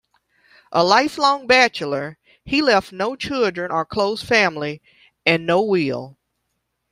A lifelong bachelor, he left no children or close family and no will.